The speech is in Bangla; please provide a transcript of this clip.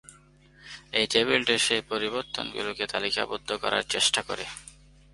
এই টেবিলটি সেই পরিবর্তনগুলোকে তালিকাবদ্ধ করার চেষ্টা করে।